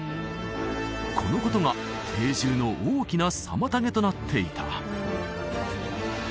このことが定住の大きな妨げとなっていた